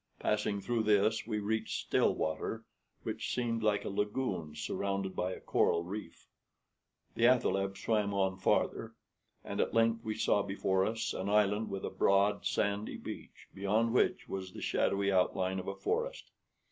Passing through this we reached still water, which seemed like a lagoon surrounded by a coral reef. The athaleb swam on farther, and at length we saw before us an island with a broad, sandy beach, beyond which was the shadowy outline of a forest.